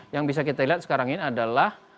yang bisa kita lihat sekarang ini adalah